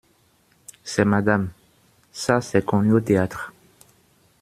C’est madame ! ça, c’est connu au théâtre.